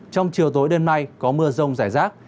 trong chiều tối đêm nay có mưa rông rải rác